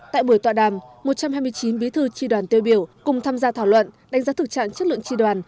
tại buổi tọa đàm một trăm hai mươi chín bí thư tri đoàn tiêu biểu cùng tham gia thảo luận đánh giá thực trạng chất lượng tri đoàn